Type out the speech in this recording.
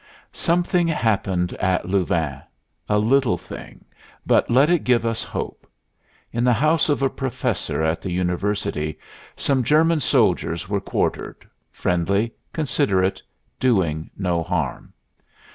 Something happened at Louvain a little thing, but let it give us hope. In the house of a professor at the University some German soldiers were quartered, friendly, considerate, doing no harm.